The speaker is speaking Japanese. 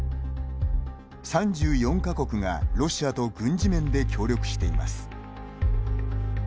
３４か国が、ロシアと軍事面で協力しています。